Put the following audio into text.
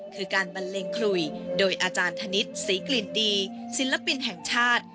คือการบันเลงขลุยโดยอาจารย์ธนิษฐ์ศรีกลิ่นดีศิลปินแห่งชาติ